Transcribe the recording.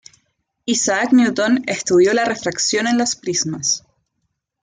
Isaac Newton estudió la refracción en los prismas.